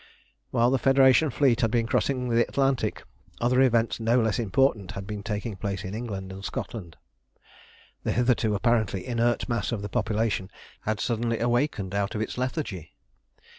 While the Federation fleet had been crossing the Atlantic, other events no less important had been taking place in England and Scotland. The hitherto apparently inert mass of the population had suddenly awakened out of its lethargy.